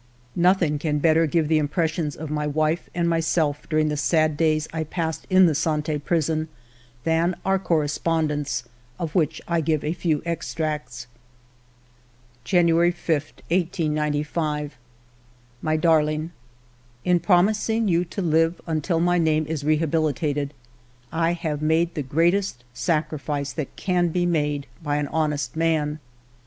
Nothing can better give the impressions of my wife and myself during the sad days I passed in the Sante Prison than our correspondence, of which I give a few extracts :— "January 5, 1895. "My Darling, —" In promising you to live until my name is rehabilitated, I have made the greatest sacrifice that can be made by an honest man.